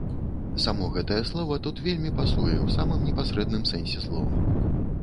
Само гэтае слова тут вельмі пасуе ў самым непасрэдным сэнсе слова.